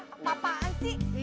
apa apaan sih ini